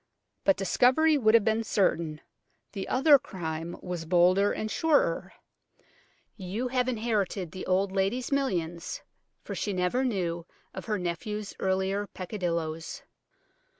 But discovery would have been certain. The other crime was bolder and surer. You have inherited the old lady's millions, for she never knew of her nephew's earlier peccadillos.